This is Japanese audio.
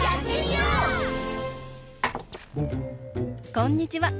こんにちは！